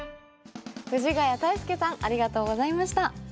藤ヶ谷太輔さんありがとうございました